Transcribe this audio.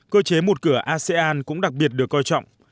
cơ chế một cửa asean cũng đặc biệt được coi trọng